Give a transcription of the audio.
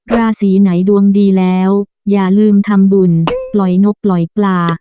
ราศีไหนดวงดีแล้วอย่าลืมทำบุญปล่อยนกปล่อยปลา